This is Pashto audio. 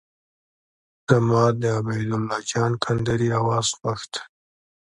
زما د عبید الله جان کندهاري اواز خوښ دی.